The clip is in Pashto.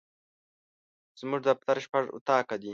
زموږ دفتر شپږ اطاقه دي.